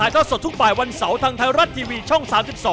ท่อสดทุกบ่ายวันเสาร์ทางไทยรัฐทีวีช่อง๓๒